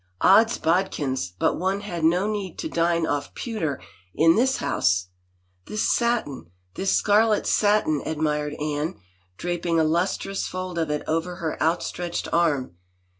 Odd's bodkins, but one had no need to dine off pewter in this house !" "This satin — this scarlet satin I" admired Anne, draping a lustrous fold of it over her outstretched arm.